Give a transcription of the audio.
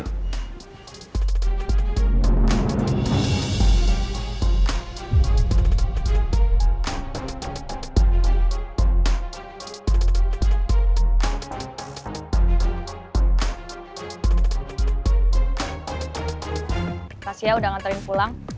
makasih ya udah nganterin pulang